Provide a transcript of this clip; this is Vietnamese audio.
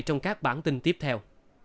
trong các bản tin tiếp theo